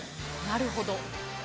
なるほど。